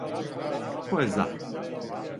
Ко је за?